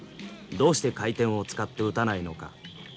どうして回転を使って打たないのか。